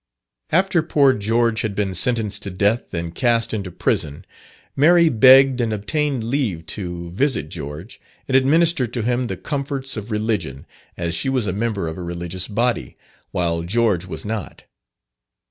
After poor George had been sentenced to death and cast into prison, Mary begged and obtained leave to visit George, and administer to him the comforts of religion, as she was a member of a religious body, while George was not.